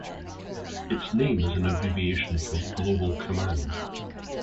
Its name is an abbreviation for "global command".